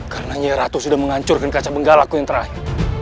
karenanya ratu sudah menghancurkan kaca benggalaku yang terakhir